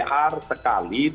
pcr sekali tujuh